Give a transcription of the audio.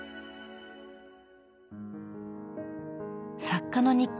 作家の日記